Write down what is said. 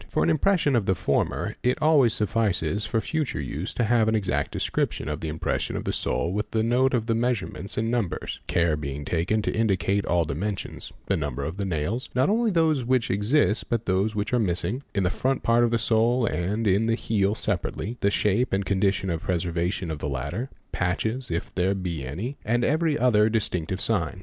For an impression of the former it always suffices for future use to have an exact description of the impression of the sole with the note of the measurements and numbers, care being taken to indicate all dimensions, the number of the nails (not only of those which exist but of those which are missing) in the front part of the sole and in the heel separately, the shape and condition of preservation of the latter, patches if there be any, and every other distinctive sign.